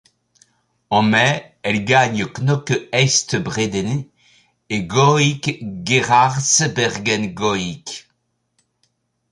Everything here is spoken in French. En mai, elle gagne Knokke-Heist-Bredene et Gooik-Geraardsbergen-Gooik.